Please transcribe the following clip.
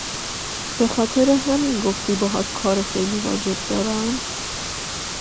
به خاطر همین گفتی باهات کار خیلی واجب دارم؟